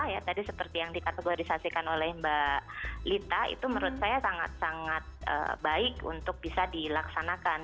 ya tadi seperti yang dikategorisasikan oleh mbak lita itu menurut saya sangat sangat baik untuk bisa dilaksanakan